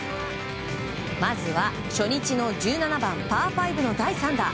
まずは初日の１７番パー５の第３打。